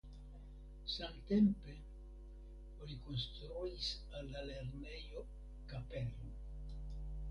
Samtempe oni konstruis al la lernejo kapelon.